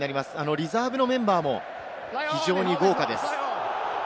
リザーブのメンバーも非常に豪華です。